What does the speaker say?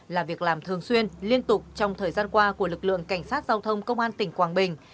là việc làm thường xuyên liên tục trong thời gian qua của lực lượng cảnh sát giao thông công an tỉnh quảng bình